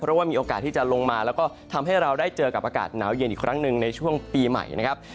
เพราะว่ามีโอกาสที่จะลงมาแล้วก็ทำให้เราได้เจอกับอากาศหนาวเย็นอีกครั้งหนึ่งในช่วงปีใหม่นะครับ